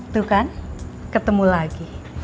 tuh kan ketemu lagi